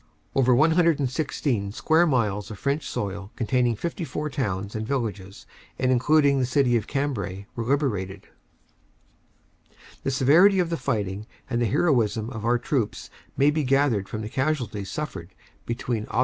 "Over 1 16 square miles of French soil, containing 54 towns and villages, and including the city of Cambrai, were liber ated. "The severity of the fighting and the heroism of our troops may be gathered from the casualties suffered between Aug.